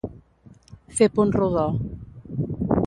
Fer punt rodó.